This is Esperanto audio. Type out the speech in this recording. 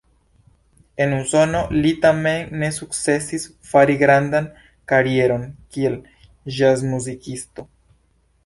En Usono li tamen ne sukcesis fari grandan karieron kiel ĵazmuzikisto.